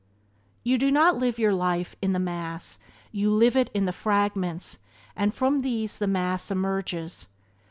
You do not live your life in the mass; you live it in the fragments and from these the mass emerges.